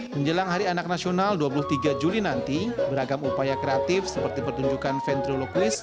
menjelang hari anak nasional dua puluh tiga juli nanti beragam upaya kreatif seperti pertunjukan vendri loklist